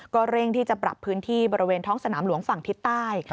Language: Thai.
เร่งที่จะปรับพื้นที่บริเวณท้องสนามหลวงฝั่งทิศใต้